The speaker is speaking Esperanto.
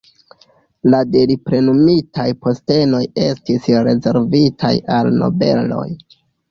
La de li plenumitaj postenoj estis rezervitaj al nobeloj.